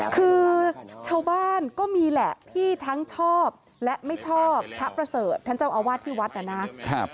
คือชาวบ้านก็มีแหละที่ทั้งชอบและไม่ชอบพระประเสริฐท่านเจ้าอาวาสที่วัดนะครับ